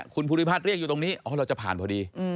คุณภูริพัฒน์เรียกอยู่ตรงนี้อ๋อเราจะผ่านพอดี